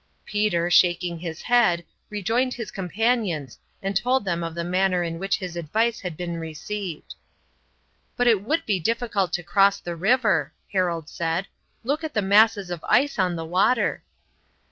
Peter, shaking his head, rejoined his companions and told them of the manner in which his advice had been received. "But it would be difficult to cross the river," Harold said. "Look at the masses of ice on the water."